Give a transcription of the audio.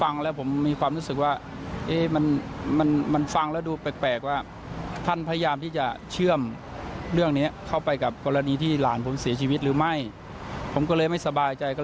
น่าคนเคยได้พูดเรื่องของเราหรรใช่ไหมครับ